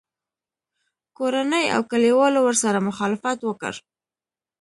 کورنۍ او کلیوالو ورسره مخالفت وکړ